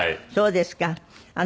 そうですか。